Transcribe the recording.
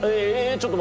⁉ちょっと！